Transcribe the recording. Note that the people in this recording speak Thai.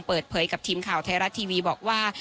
เปิดเผยกับทีมข่าวไทยรัฐทีวีบอกว่า